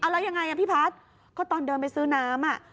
แล้วยังไงพี่พัฒน์ก็ตอนเดินไปซื้อน้ำ